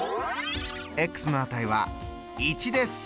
の値は１です！